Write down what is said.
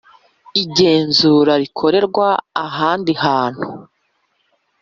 igenzura rikorerwa ahandi hantu